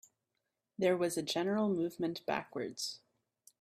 There was a general movement backwards.